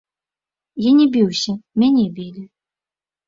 Я не біўся, мяне білі.